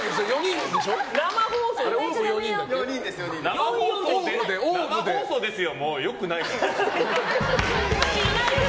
生放送ですよ。